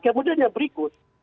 kemudian yang berikut